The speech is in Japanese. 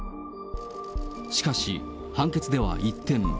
しかし、判決では一転。